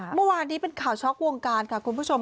เมื่อวานนี้เป็นข่าวช็อกวงการค่ะคุณผู้ชม